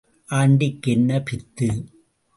ஆண்டிக்கு என்ன பித்து?